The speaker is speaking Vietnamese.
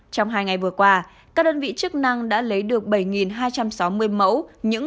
trong hai ngày vừa qua các đơn vị chức năng đã lấy được bảy hai trăm sáu mươi mẫu